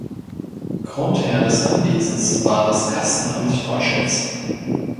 Grundherr des Anwesens war das Kastenamt Teuschnitz.